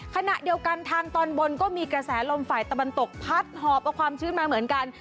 ขณะเดียวกันทางตอนบนก็มีกระแสลมฝ่ายตะวันตกพัดหอบเอาความชื้นมาเหมือนกัน